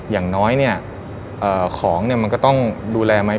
อย่างน้อยเนี่ยของเนี่ยมันก็ต้องดูแลไหม